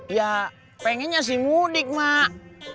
ya pengennya sih mudik mak